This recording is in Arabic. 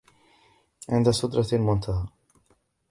عند سدرة المنتهى